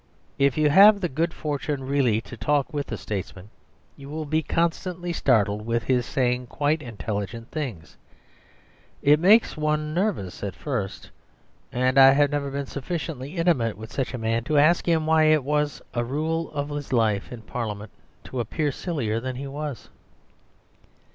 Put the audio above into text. If you have the good fortune really to talk with a statesman, you will be constantly startled with his saying quite intelligent things. It makes one nervous at first. And I have never been sufficiently intimate with such a man to ask him why it was a rule of his life in Parliament to appear sillier than he was.